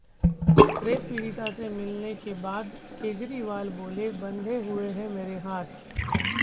rape पीड़िता से मिलने के बाद केजरीवाल बोले- बंधे हुए हैं मेरे हाथ